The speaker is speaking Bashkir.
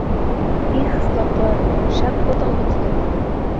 Их, соҡор, шәп булдың бит һин.